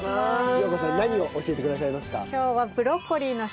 陽子さん何を教えてくださいますか？